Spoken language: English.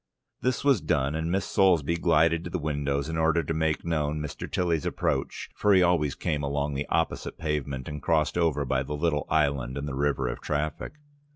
This was done, and Miss Soulsby glided to the window, in order to make known Mr. Tilly's approach, for he always came along the opposite pavement and crossed over by the little island in the river of traffic.